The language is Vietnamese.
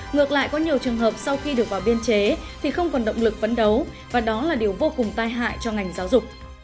ngược lại có nhiều trường hợp sau khi được vào biên chế thì không còn động lực vấn đấu và đó là điều vô cùng tai hại cho ngành giáo dục